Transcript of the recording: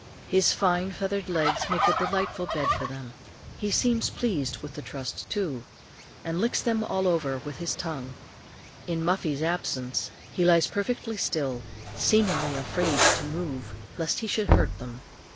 His finely feathered legs make a delightful bed for them. He seems pleased with the trust too, and licks them all over with his tongue. In Muffie's absence, he lies perfectly still, seemingly afraid to move lest he should hurt them.